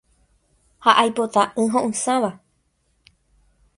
Ha aipota y ho’ysãva.